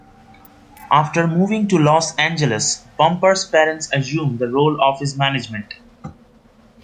After moving to Los Angeles, Bumper's parents assumed the role of his management.